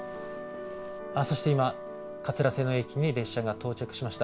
あそして今桂瀬の駅に列車が到着しました。